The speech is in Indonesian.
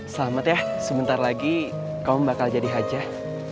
selamat ya sebentar lagi kaum bakal jadi hajah